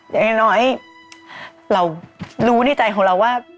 อย่างน้อยเรารู้ในใจของเราว่า